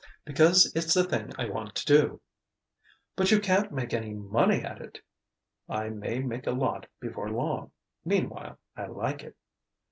"Because it's the thing I want to do." "But you can't make any money at it " "I may make a lot before long. Meanwhile, I like it."